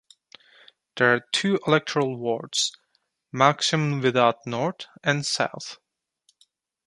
There are two electoral wards, Melksham Without North and South.